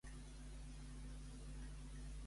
Quina obra li va atorgar prestigi?